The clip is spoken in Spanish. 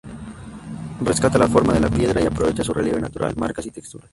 Rescata la forma de la piedra y aprovecha su relieve natural, marcas y texturas.